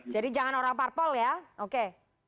jadi jangan orang parpol ya oke